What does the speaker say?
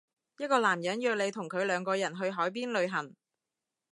一個男人約你同佢兩個人去海邊旅行